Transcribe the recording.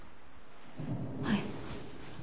はい。